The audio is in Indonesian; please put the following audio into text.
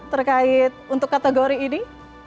terkait untuk kategori ini